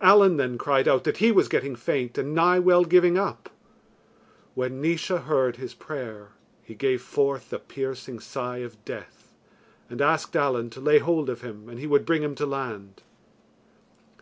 Allen then cried out that he was getting faint and nigh well giving up. When Naois heard his prayer, he gave forth the piercing sigh of death, and asked Allen to lay hold of him and he would bring him to land.